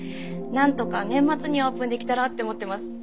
なんとか年末にはオープンできたらって思ってます。